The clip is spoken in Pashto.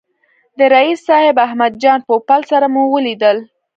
د رییس صاحب احمد جان پوپل سره مو ولیدل.